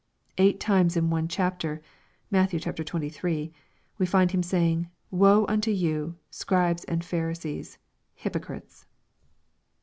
Eight times in one chapter (Matt, xxiii.) we find Him saying, " Woe unto you. Scribes and Pharisees, hypocrites."